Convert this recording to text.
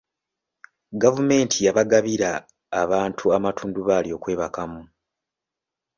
Gavumenti yabagabira abantu amatundubaali okwebakamu.